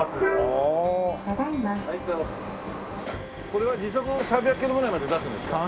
これは時速３００キロぐらいまで出すんですか？